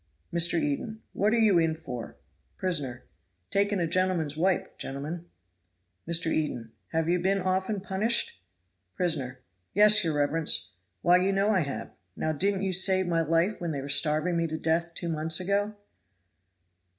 Mr. Eden. "What are you in for?" Prisoner. "Taking a gentleman's wipe, gentlemen." Mr. Eden. "Have you been often punished?" Prisoner. "Yes, your reverence! Why you know I have; now didn't you save my life when they were starving me to death two months ago?"